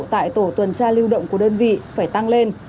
tại tổ tuần tra lưu động của đơn vị phải tăng lên